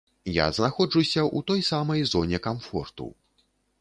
Я знаходжуся ў той самай зоне камфорту.